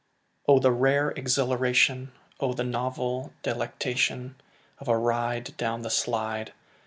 Oh, the rare exhilaration, Oh, the novel delectation Of a ride down the slide!